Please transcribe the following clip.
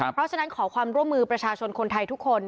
เพราะฉะนั้นขอความร่วมมือประชาชนคนไทยทุกคน